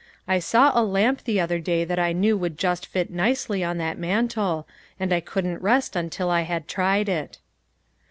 " I saw a lamp the other day that I knew would just fit nicely on that mantel, and I couldn't rest until I had tried it."